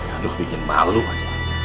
aduh bikin malu aja